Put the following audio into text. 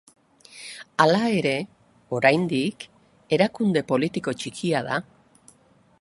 Hala ere, oraindik, erakunde politiko txikia da.